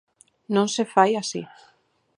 Non se fai así.